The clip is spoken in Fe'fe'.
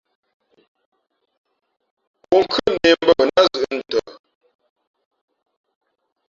Kǒnkhʉ́ά nē mbᾱ mα nά zʉ̌ʼ ntə.